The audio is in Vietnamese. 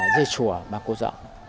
dây chùa và cô giọng